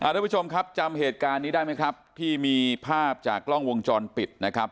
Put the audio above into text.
ทุกผู้ชมครับจำเหตุการณ์นี้ได้ไหมครับที่มีภาพจากกล้องวงจรปิดนะครับ